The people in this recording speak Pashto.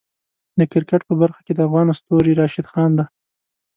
د کرکټ په برخه کې د افغانو ستوری راشد خان دی.